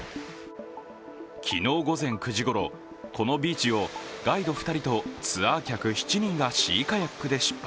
昨日午前９時ごろ、このビーチをガイド２人とツアー客７人がシーカヤックで出発